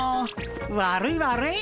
悪い悪い。